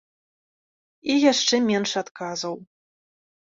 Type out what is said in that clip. І яшчэ менш адказаў.